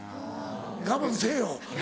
我慢せぇよ